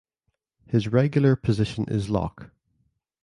His regular position is lock.